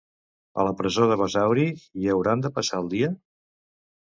A la presó de Basauri hi hauran de passar el dia?